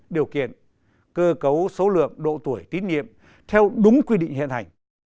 điều kiện cơ cấu số lượng độ tuổi tín nhiệm theo đúng quy định hiện hành